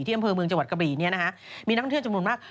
ที่อำเภอเมืองจังหวัดกระบี่มีนักท่องเที่ยวจำนวนมาก